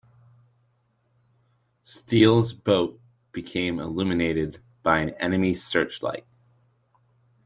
Steele's boat became illuminated by an enemy searchlight.